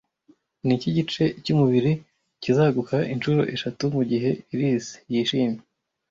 Niki gice cyumubiri kizaguka inshuro eshatu mugihe Iris yishimye